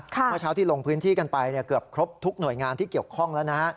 เมื่อเช้าที่ลงพื้นที่กันไปเกือบครบทุกหน่วยงานที่เกี่ยวข้องแล้วนะฮะ